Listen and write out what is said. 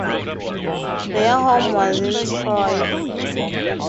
Their home was in Troy.